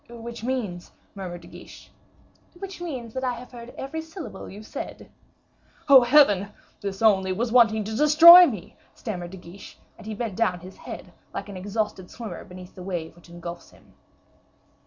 "Which means " murmured De Guiche. "Which means that I have heard every syllable you have said." "Oh, Heaven! this only was wanting to destroy me," stammered De Guiche; and he bent down his head, like an exhausted swimmer beneath the wave which engulfs him.